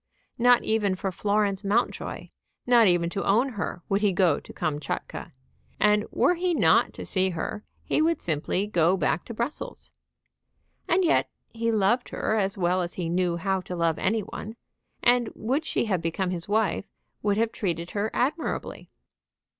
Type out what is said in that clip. Not even for Florence Mountjoy, not even to own her, would he go to Kamtchatka; and were he not to see her he would simply go back to Brussels. And yet he loved her as well as he knew how to love any one, and, would she have become his wife, would have treated her admirably.